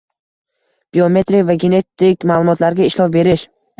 Biometrik va genetik ma’lumotlarga ishlov berish